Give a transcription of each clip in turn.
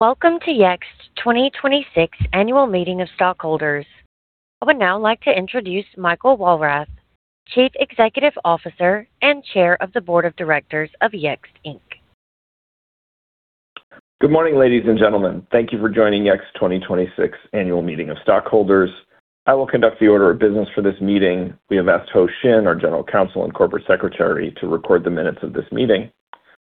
Welcome to Yext 2026 Annual Meeting of Stockholders. I would now like to introduce Michael Walrath, Chief Executive Officer and Chair of the Board of Directors of Yext, Inc. Good morning, ladies and gentlemen. Thank you for joining Yext 2026 Annual Meeting of Stockholders. I will conduct the order of business for this meeting. We have asked Ho Shin, our General Counsel and Corporate Secretary, to record the minutes of this meeting.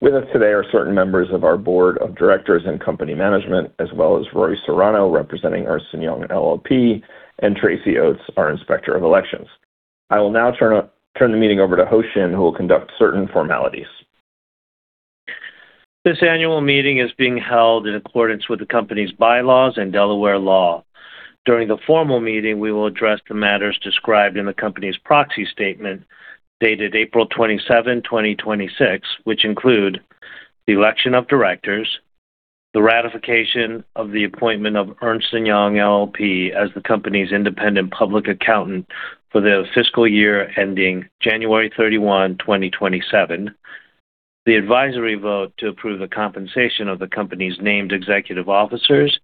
With us today are certain members of our board of directors and company management, as well as Rory Serrano, representing Ernst & Young LLP, and Tracy Oates, our Inspector of Elections. I will now turn the meeting over to Ho Shin, who will conduct certain formalities. This annual meeting is being held in accordance with the company's bylaws and Delaware law. During the formal meeting, we will address the matters described in the company's proxy statement, dated April 27, 2026, which include the election of directors, the ratification of the appointment of Ernst & Young LLP as the company's independent public accountant for the fiscal year ending January 31, 2027, the advisory vote to approve the compensation of the company's named executive officers,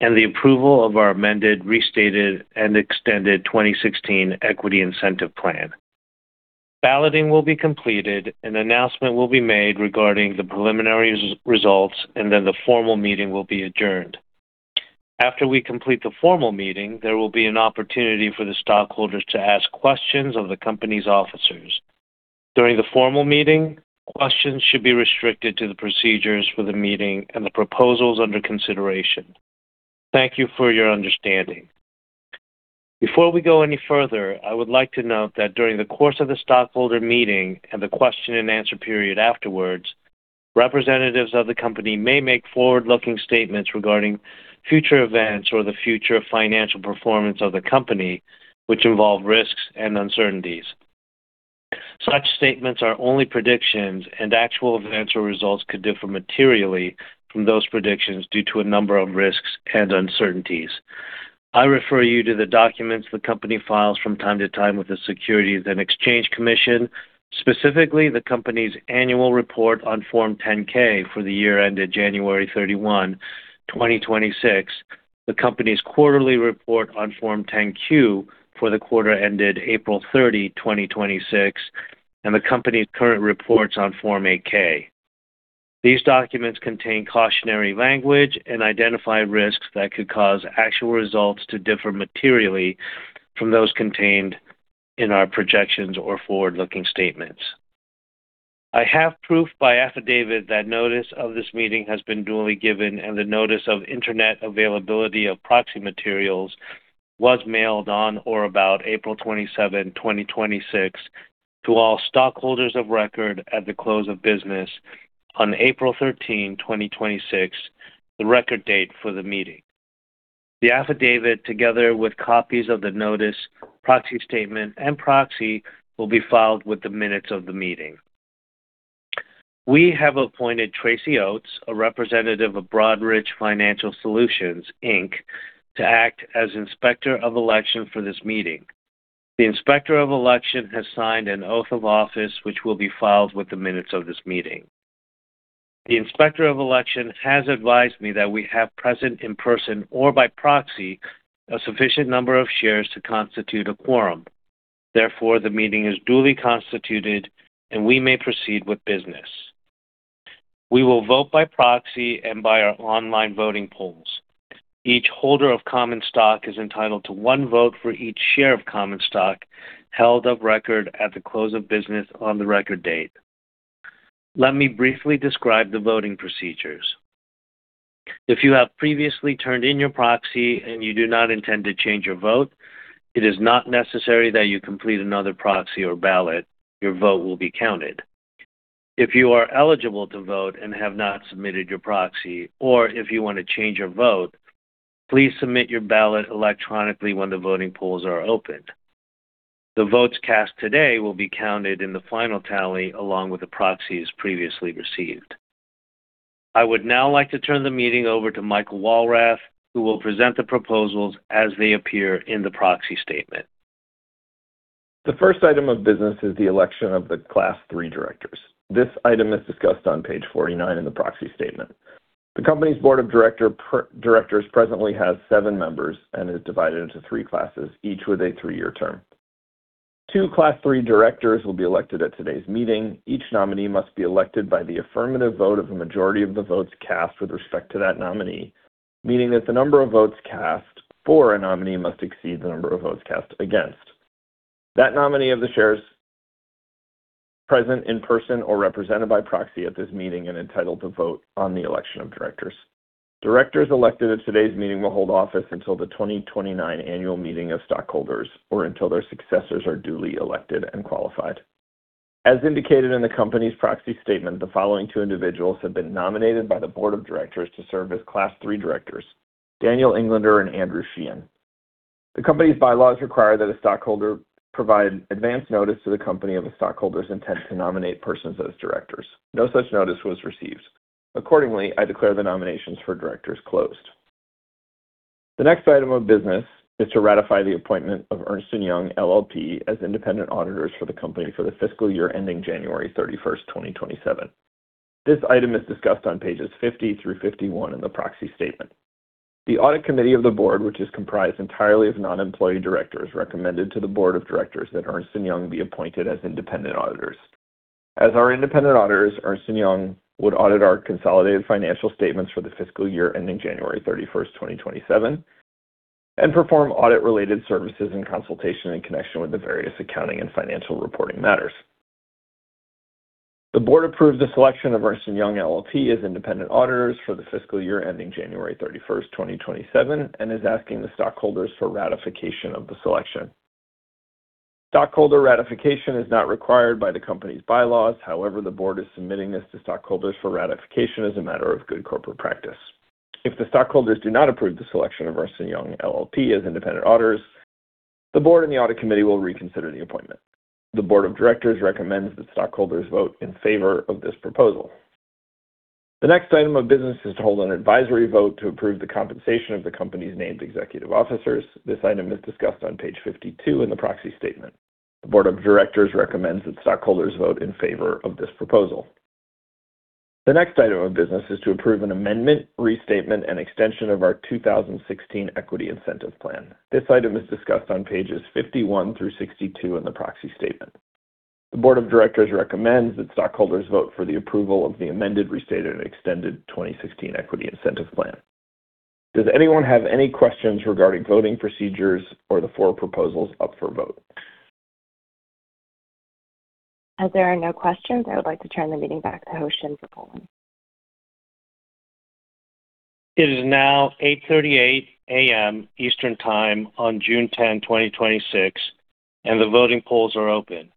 and the approval of our amended, restated, and extended 2016 Equity Incentive Plan. Balloting will be completed, an announcement will be made regarding the preliminary results. The formal meeting will be adjourned. After we complete the formal meeting, there will be an opportunity for the stockholders to ask questions of the company's officers. During the formal meeting, questions should be restricted to the procedures for the meeting and the proposals under consideration. Thank you for your understanding. Before we go any further, I would like to note that during the course of the stockholder meeting and the question and answer period afterwards, representatives of the company may make forward-looking statements regarding future events or the future financial performance of the company, which involve risks and uncertainties. Such statements are only predictions, and actual events or results could differ materially from those predictions due to a number of risks and uncertainties. I refer you to the documents the company files from time to time with the Securities and Exchange Commission, specifically the company's annual report on Form 10-K for the year ended January 31, 2026, the company's quarterly report on Form 10-Q for the quarter ended April 30, 2026, and the company's current reports on Form 8-K. These documents contain cautionary language and identify risks that could cause actual results to differ materially from those contained in our projections or forward-looking statements. I have proof by affidavit that notice of this meeting has been duly given and the notice of Internet availability of proxy materials was mailed on or about April 27, 2026, to all stockholders of record at the close of business on April 13, 2026, the record date for the meeting. The affidavit, together with copies of the notice, proxy statement, and proxy, will be filed with the minutes of the meeting. We have appointed Tracy Oates, a representative of Broadridge Financial Solutions, Inc, to act as Inspector of Election for this meeting. The Inspector of Election has signed an oath of office, which will be filed with the minutes of this meeting. The Inspector of Election has advised me that we have present in person or by proxy a sufficient number of shares to constitute a quorum. Therefore, the meeting is duly constituted, and we may proceed with business. We will vote by proxy and by our online voting polls. Each holder of common stock is entitled to one vote for each share of common stock held of record at the close of business on the record date. Let me briefly describe the voting procedures. If you have previously turned in your proxy and you do not intend to change your vote, it is not necessary that you complete another proxy or ballot. Your vote will be counted. If you are eligible to vote and have not submitted your proxy, or if you want to change your vote, please submit your ballot electronically when the voting polls are opened. The votes cast today will be counted in the final tally, along with the proxies previously received. I would now like to turn the meeting over to Michael Walrath, who will present the proposals as they appear in the proxy statement. The first item of business is the election of the Class III directors. This item is discussed on page 49 in the proxy statement. The company's board of directors presently has seven members and is divided into three classes, each with a three-year term. Two Class III directors will be elected at today's meeting. Each nominee must be elected by the affirmative vote of a majority of the votes cast with respect to that nominee, meaning that the number of votes cast for a nominee must exceed the number of votes cast against that nominee of the shares present in person or represented by proxy at this meeting and entitled to vote on the election of directors. Directors elected at today's meeting will hold office until the 2029 annual meeting of stockholders or until their successors are duly elected and qualified. As indicated in the company's proxy statement, the following two individuals have been nominated by the board of directors to serve as Class III directors: Daniel Englander and Andrew Sheehan. The company's bylaws require that a stockholder provide advance notice to the company of a stockholder's intent to nominate persons as directors. No such notice was received. Accordingly, I declare the nominations for directors closed. The next item of business is to ratify the appointment of Ernst & Young LLP as independent auditors for the company for the fiscal year ending January 31st, 2027. This item is discussed on pages 50 through 51 in the proxy statement. The audit committee of the board, which is comprised entirely of non-employee directors, recommended to the board of directors that Ernst & Young be appointed as independent auditors. As our independent auditors, Ernst & Young would audit our consolidated financial statements for the fiscal year ending January 31st, 2027, and perform audit-related services and consultation in connection with the various accounting and financial reporting matters. The board approved the selection of Ernst & Young LLP as independent auditors for the fiscal year ending January 31st, 2027, and is asking the stockholders for ratification of the selection. Stockholder ratification is not required by the company's bylaws. The board is submitting this to stockholders for ratification as a matter of good corporate practice. If the stockholders do not approve the selection of Ernst & Young LLP as independent auditors, the board and the audit committee will reconsider the appointment. The board of directors recommends that stockholders vote in favor of this proposal. The next item of business is to hold an advisory vote to approve the compensation of the company's named executive officers. This item is discussed on page 52 in the proxy statement. The board of directors recommends that stockholders vote in favor of this proposal. The next item of business is to approve an amendment, restatement, and extension of our 2016 Equity Incentive Plan. This item is discussed on pages 51 through 62 in the proxy statement. The board of directors recommends that stockholders vote for the approval of the amended, restated, and extended 2016 Equity Incentive Plan. Does anyone have any questions regarding voting procedures or the four proposals up for vote? There are no questions, I would like to turn the meeting back to Ho Shin for polling. It is now 8:38 A.M. Eastern Time on June 10, 2026, and the voting polls are open.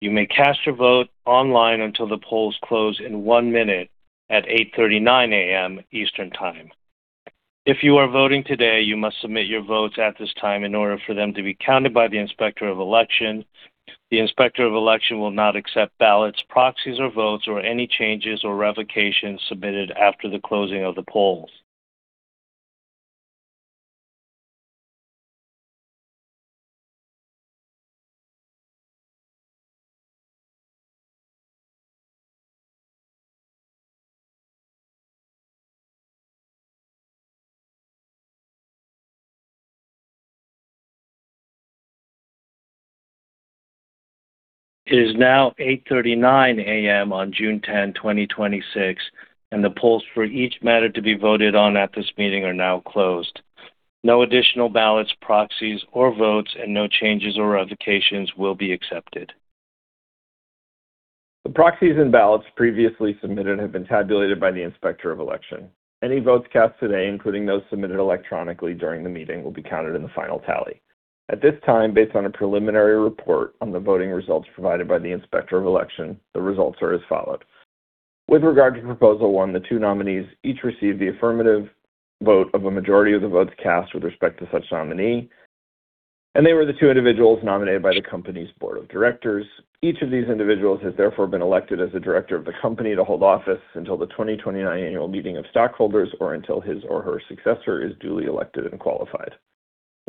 You may cast your vote online until the polls close in one minute at 8:39 A.M. Eastern Time. If you are voting today, you must submit your votes at this time in order for them to be counted by the Inspector of Election. The Inspector of Election will not accept ballots, proxies, or votes, or any changes or revocations submitted after the closing of the polls. It is now 8:39 A.M. on June 10, 2026, and the polls for each matter to be voted on at this meeting are now closed. No additional ballots, proxies, or votes, and no changes or revocations will be accepted. The proxies and ballots previously submitted have been tabulated by the Inspector of Election. Any votes cast today, including those submitted electronically during the meeting, will be counted in the final tally. At this time, based on a preliminary report on the voting results provided by the Inspector of Election, the results are as follows. With regard to Proposal 1, the two nominees each received the affirmative vote of a majority of the votes cast with respect to such nominee, and they were the two individuals nominated by the company's board of directors. Each of these individuals has therefore been elected as a director of the company to hold office until the 2029 annual meeting of stockholders or until his or her successor is duly elected and qualified.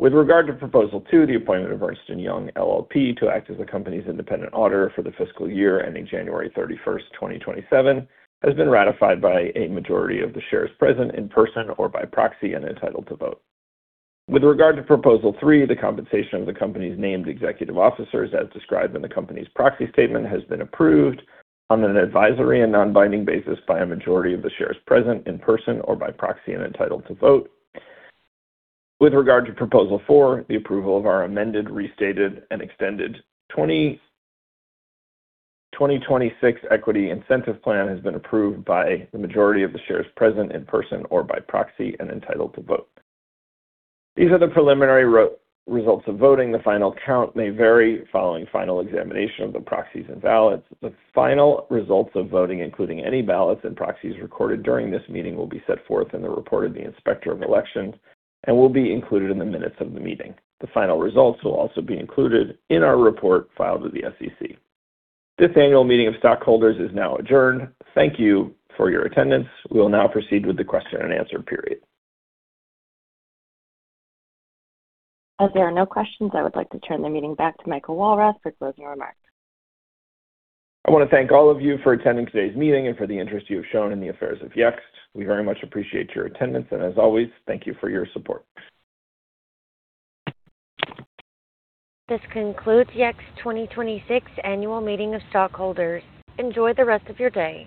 With regard to Proposal 2, the appointment of Ernst & Young LLP to act as the company's independent auditor for the fiscal year ending January 31st, 2027, has been ratified by a majority of the shares present in person or by proxy and entitled to vote. With regard to Proposal 3, the compensation of the company's named executive officers as described in the company's proxy statement has been approved on an advisory and non-binding basis by a majority of the shares present in person or by proxy and entitled to vote. With regard to Proposal 4, the approval of our amended, restated, and extended 2016 Equity Incentive Plan has been approved by the majority of the shares present in person or by proxy and entitled to vote. These are the preliminary results of voting. The final count may vary following final examination of the proxies and ballots. The final results of voting, including any ballots and proxies recorded during this meeting, will be set forth in the report of the Inspector of Elections and will be included in the minutes of the meeting. The final results will also be included in our report filed with the SEC. This annual meeting of stockholders is now adjourned. Thank you for your attendance. We will now proceed with the question and answer period. As there are no questions, I would like to turn the meeting back to Michael Walrath for closing remarks. I want to thank all of you for attending today's meeting and for the interest you have shown in the affairs of Yext. We very much appreciate your attendance, and as always, thank you for your support. This concludes Yext's 2026 annual meeting of stockholders. Enjoy the rest of your day.